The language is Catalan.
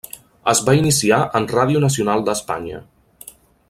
Es va iniciar en Ràdio Nacional d'Espanya.